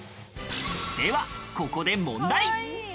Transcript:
ではここで問題。